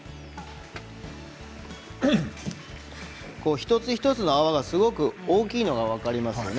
一つ一つの泡がすごく大きいのが分かりますよね。